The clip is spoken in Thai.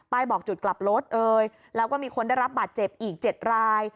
บอกจุดกลับรถเอ่ยแล้วก็มีคนได้รับบาดเจ็บอีก๗ราย